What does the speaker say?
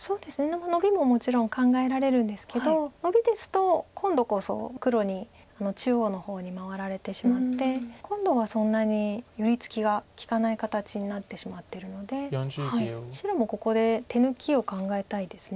ノビももちろん考えられるんですけどノビですと今度こそ黒に中央の方に回られてしまって今度はそんなに寄り付きが利かない形になってしまってるので白もここで手抜きを考えたいです。